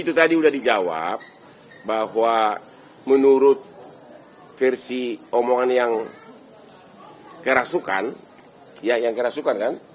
itu tadi sudah dijawab bahwa menurut versi omongan yang kerasukan ya yang kerasukan kan